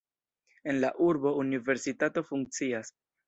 En la urbo universitato funkcias.